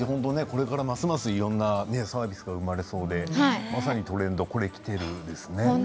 これからますますいろんなサービスが生まれそうでまさにトレンドコレキテル！ですね。